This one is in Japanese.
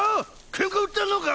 ケンカ売ってんのか？